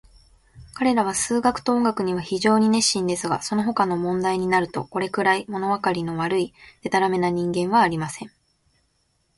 彼等は数学と音楽には非常に熱心ですが、そのほかの問題になると、これくらい、ものわかりの悪い、でたらめな人間はありません。